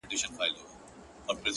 چي عبرت سي بل نا اهله او ګمراه ته,